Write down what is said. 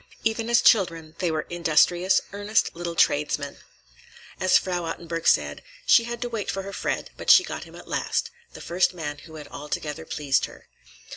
Even as children they were industrious, earnest little tradesmen. As Frau Ottenburg said, "she had to wait for her Fred, but she got him at last," the first man who had altogether pleased her.